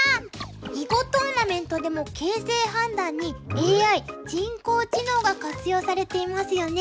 「囲碁トーナメント」でも形勢判断にＡＩ人工知能が活用されていますよね。